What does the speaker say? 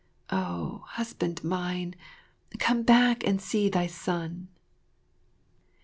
Oh, husband mine, come back and see thy son!